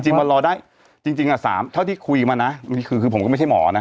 มารอได้จริง๓เท่าที่คุยมานะคือผมก็ไม่ใช่หมอนะ